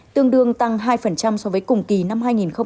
tương đương tăng hai so với cùng kỳ năm hai nghìn hai mươi hai